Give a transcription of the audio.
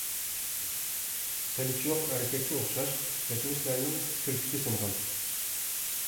قىلىچى يوق ئەركەككە ئوخشاش كەچمىشلەرنىڭ سۈلكىتى سۇنغان.